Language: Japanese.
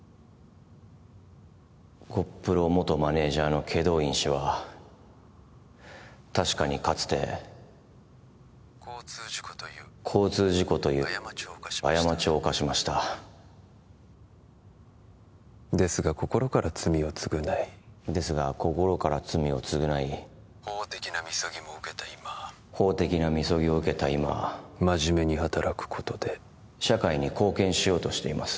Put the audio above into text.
ゴップロ元マネージャーの祁答院氏は確かにかつて交通事故という交通事故という過ちを犯しました過ちを犯しましたですが心から罪を償いですが心から罪を償い法的なみそぎも受けた今法的なみそぎを受けた今真面目に働くことで社会に貢献しようとしています